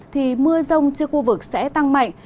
thì mưa rông trên khu vực sẽ tăng mạnh